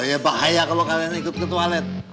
ya bahaya kalau kalian ikut ke toilet